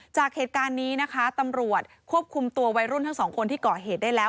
จากเหตุการณ์นี้นะคะตำรวจควบคุมตัววัยรุ่นทั้งสองคนที่ก่อเหตุได้แล้ว